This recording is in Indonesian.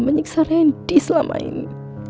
menyiksa randy selama ini